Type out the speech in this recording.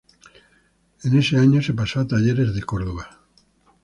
En ese año se pasó a Talleres de Córdoba.